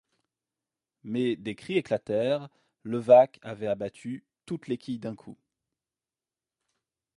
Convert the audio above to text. Mais des cris éclatèrent, Levaque avait abattu toutes les quilles d’un coup.